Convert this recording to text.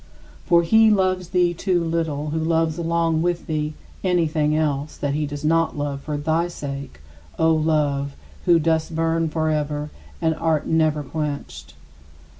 For he loves thee too little who loves along with thee anything else that he does not love for thy sake, O Love, who dost burn forever and art never quenched.